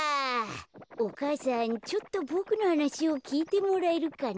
お母さんちょっとボクのはなしをきいてもらえるかな。